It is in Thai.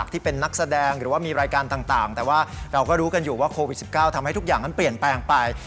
ที่เป็นนักแสดงหรือว่ามีรายการต่างแต่ว่าเราก็รู้กันอยู่ว่าโควิด๑๙ทำให้ทุกอย่างนั้นเปลี่ยนแปลงไป